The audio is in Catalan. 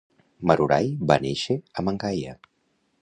Marurai va néixer a Mangaia.